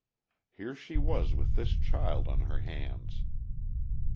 Here she was with this child on her hands.